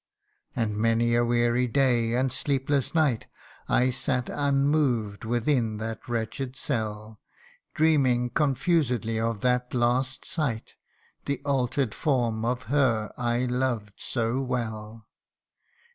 And many a weary day and sleepless night, I sat unmoved within that wretched cell, Dreaming confusedly of that last sight, The alter 'd form of her I loved so well.